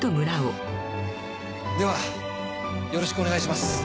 ではよろしくお願いします。